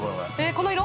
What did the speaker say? ◆この色？